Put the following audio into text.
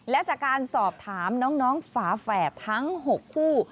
และจากการสอบถามน้องฝาแฝดทั้ง๖คู่